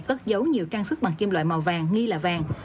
cất giấu nhiều trang sức bằng kim loại màu vàng nghi là vàng